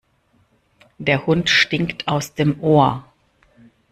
Der Hund stinkt aus dem Ohr.